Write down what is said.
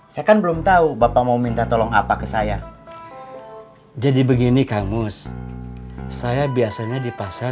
saya kan belum tahu bapak mau minta tolong apa ke saya jadi begini kamu saya biasanya di pasar